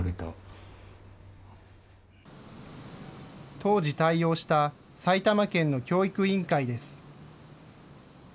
当時対応した埼玉県の教育委員会です。